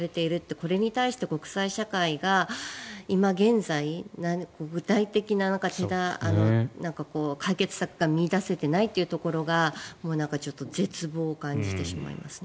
これに対して国際社会が今現在、具体的な解決策が見いだせていないというところがちょっと絶望を感じてしまいますね。